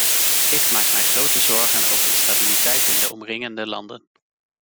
Ik maak mij grote zorgen over de stabiliteit in de omringende landen.